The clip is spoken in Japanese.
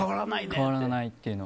変わらないと。